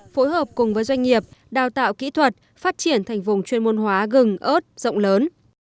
phối hợp cùng với doanh nghiệp đào tạo kỹ thuật phát triển thành vùng chuyên môn hóa gừng ớt rộng lớn